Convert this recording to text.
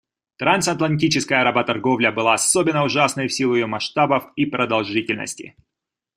Трансатлантическая работорговля была особенно ужасной в силу ее масштабов и продолжительности.